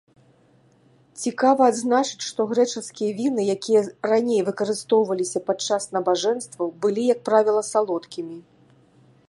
Цікава адзначыць, што грэчаскія віны, якія раней выкарыстоўваліся падчас набажэнстваў, былі, як правіла, салодкімі.